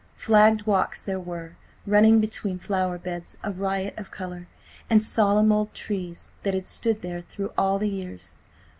Flagged walks there were, running between flower beds a riot of colour, and solemn old trees that had stood there through all the years.